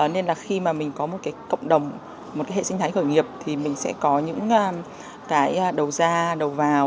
nên là khi mà mình có một cái cộng đồng một cái hệ sinh thái khởi nghiệp thì mình sẽ có những cái đầu ra đầu vào